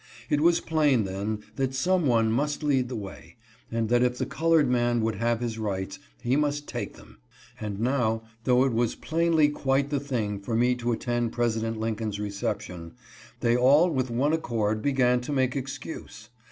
It was plain, then, that some one must lead the way, and that if the colored man would have his rights, he must take them ; and now, though it was plainly quite the thing for me to attend President Lincoln's reception, " they all with one accord began to make excuse."